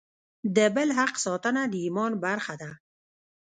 د بل حق ساتنه د ایمان برخه ده.